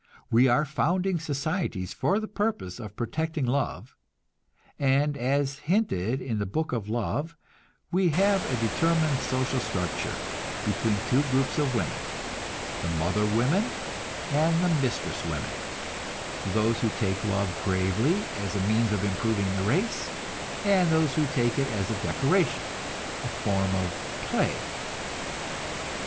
We are founding societies for the purpose of protecting love, and, as hinted in the Book of Love, we have a determined social struggle between two groups of women the mother women and the mistress women those who take love gravely, as a means of improving the race, and those who take it as a decoration, a form of play.